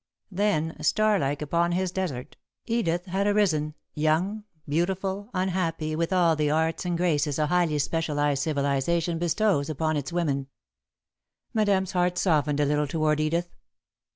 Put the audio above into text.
Then, star like upon his desert, Edith had arisen, young, beautiful, unhappy, with all the arts and graces a highly specialised civilisation bestows upon its women. [Sidenote: Looking Back] Madame's heart softened a little toward Edith.